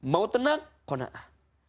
mau tenang kona'ah